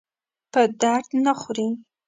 په درد نه خوري.